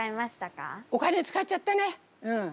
お金使っちゃったねうん。